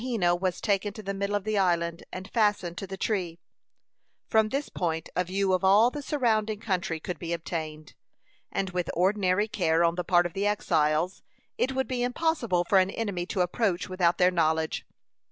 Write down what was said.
Wahena was taken to the middle of the island, and fastened to the tree. From this point a view of all the surrounding country could be obtained, and with ordinary care on the part of the exiles, it would be impossible for an enemy to approach without their knowledge.